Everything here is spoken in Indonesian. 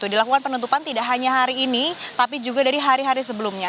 dilakukan penutupan tidak hanya hari ini tapi juga dari hari hari sebelumnya